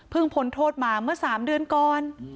เพิ่งผลโทษมาเมื่อ๓เดือนก่อน